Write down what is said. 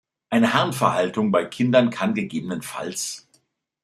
Eine Harnverhaltung bei Kindern kann ggf.